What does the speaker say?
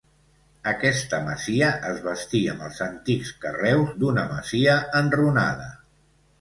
Aquesta masia es bastí amb els antics carreus d'una masia enrunada.